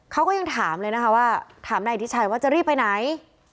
เขาก็ยังถามเลยนะคะว่าถามนายอิทธิชัยว่าจะรีบไปไหน